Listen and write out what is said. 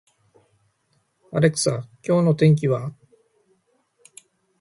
アレクサ、今日の天気は